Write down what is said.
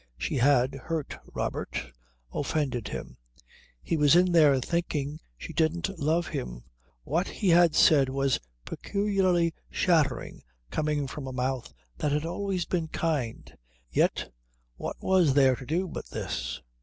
She had hurt Robert, offended him. He was in there thinking she didn't love him. What he had said was peculiarly shattering coming from a mouth that had been always kind. Yet what was there to do but this?